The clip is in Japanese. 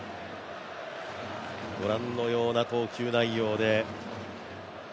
御覧のような投球内容で。